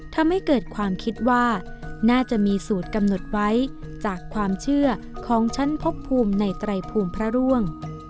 ทำให้เกิดความคิดว่าน่าจะมีสูตรกำหนดไว้จากความเชื่อของชั้นพบภูมิในไตรภูมิพระร่วง